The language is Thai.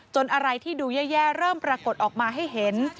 อะไรที่ดูแย่เริ่มปรากฏออกมาให้เห็น